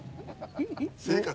生活。